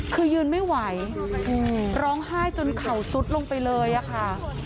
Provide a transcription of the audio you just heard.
คือยืนไม่ไหวร้องไห้จนเข่าซุดลงไปเลยอะค่ะ